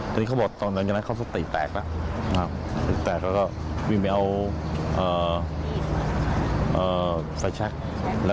ทีนี้เขาบอกตอนนั้นเขาติดแตกล่ะ